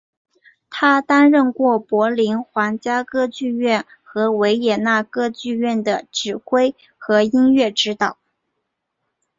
他担任过柏林皇家歌剧院和维也纳歌剧院的指挥和音乐指导。